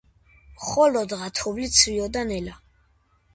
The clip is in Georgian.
მხოლოდღა თოვლი ცვიოდა ნელა.